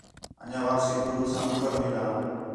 انڄیاں واپسی گُرو ساں کُکر مِلاں